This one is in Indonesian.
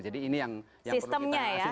jadi ini yang perlu kita sistemnya ya